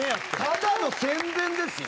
ただの宣伝ですよ？